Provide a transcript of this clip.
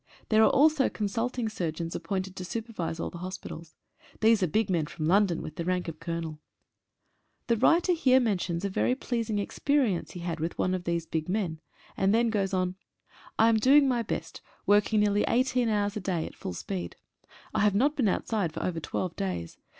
There are also consulting surgeons ap pointed to supervise all the hospitals. These are big men from London with the rank of Colonel. 14 WORKING UNDER PRESSURE. The writer here mentions a very pleasing expe rience he had with one of these big men, and then goes on — "I am doing my best, working nearly eighteen hours a day at full speed. I have not been out side for over twelve days.